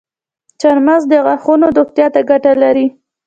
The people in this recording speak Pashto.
چارمغز د غاښونو روغتیا ته ګټه لري.